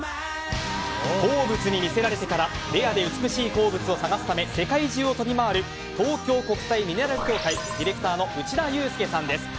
鉱物に見せられてからレアで美しい鉱物を探すため、世界中を飛び回る東京国際ミネラル協会ディレクターの内田佑介さんです。